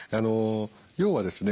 要はですね